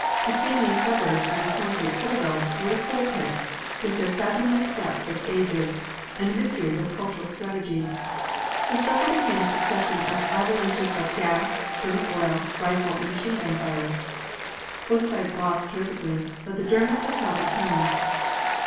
Between these suburbs and the concrete citadel were the coal pits, with their fathomless depths of ages and the mysteries of kultural strategy. The struggle became a succession of avalanches of gas, burning oil, rifle and machine gun fire. Both sides lost terrifically, but the Germans had held the town.